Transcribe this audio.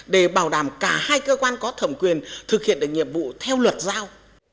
để bảo đảm cả hai cơ quan có thẩm quyền thực hiện được nhiệm vụ theo luật giao